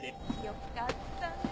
よかったね